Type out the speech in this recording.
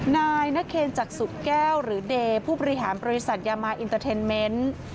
นายนเคนจักสุดแก้วหรือเดย์ผู้บริหารบริษัทยามาอินเตอร์เทนเมนต์